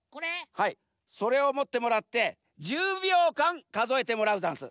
はいそれをもってもらって１０秒かんかぞえてもらうざんす。